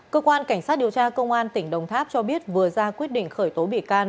cơ quan cảnh sát điều tra công an tỉnh đồng tháp cho biết vừa ra quyết định khởi tố bị can